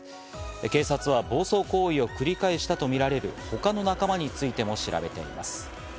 警察は暴走行為を繰り返したとみられる他の仲間についても調べています。